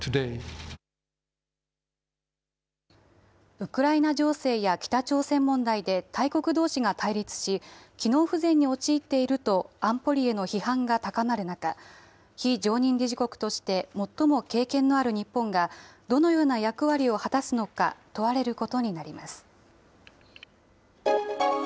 ウクライナ情勢や北朝鮮問題で大国どうしが対立し、機能不全に陥っていると安保理への批判が高まる中、非常任理事国として最も経験のある日本が、どのような役割を果たすのか、問われることになります。